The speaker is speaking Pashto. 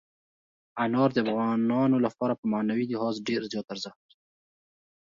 انار د افغانانو لپاره په معنوي لحاظ ډېر زیات ارزښت لري.